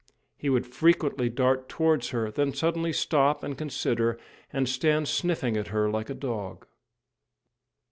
He would frequently dart towards her, then suddenly stop and consider, and stand sniffing at her like a dog.